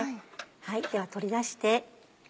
では取り出して。